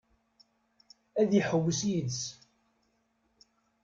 Ad iḥewwes yid-s?